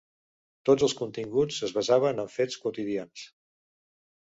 Tots els continguts es basaven en fets quotidians.